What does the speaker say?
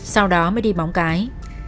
sau đó mới đi bóng cãi